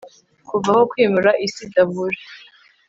kuva aho kwimura isi idahuje